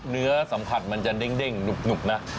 เนื้อสัมผัสมันจะเด้งหนุบนะ